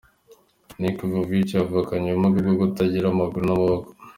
Nick Vujicic yavukanye ubumuga bwo kutagira amaguru n'amaboko.